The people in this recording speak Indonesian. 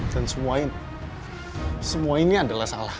dan semuanya semuanya adalah salah